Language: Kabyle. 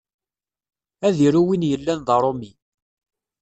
Ad iru win yellan d aṛumi.